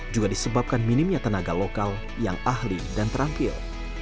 juga disebabkan minimnya tenaga lokal yang ahli dan terampil